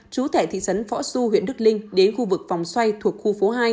chú tải thị trấn võ xu huyện đức linh đến khu vực phòng xoay thuộc khu phố hai